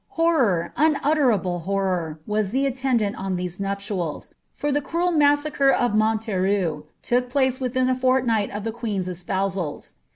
Horror, unutter iUe horror, was the attendant on these nuptials ; for the cruel massacre of Montereau* took place within a fortnight of the queen^s espousals.